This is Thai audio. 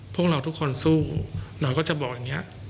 พวกเราทุกคนสู้เราก็จะบอกอย่างนี้